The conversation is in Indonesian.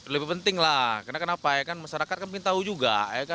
lebih penting lah kenapa masyarakat kan minta tahu juga